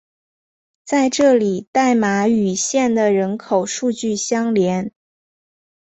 在这里代码与县的人口数据相连。